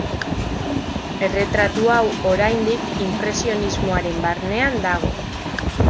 Erretratu hau, oraindik, inpresionismoaren barnean dago.